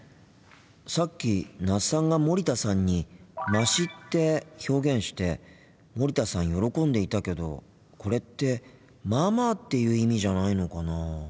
さっき那須さんが森田さんに「まし」って表現して森田さん喜んでいたけどこれって「まあまあ」っていう意味じゃないのかなあ。